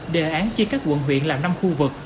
đề án chia các quận huyện làm năm khu vực